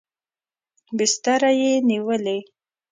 بستره یې نیولې.